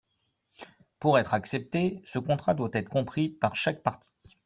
Pour être accepté, ce contrat doit être compris par chaque partie.